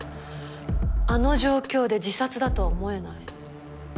あの状況で自殺だとは思えない。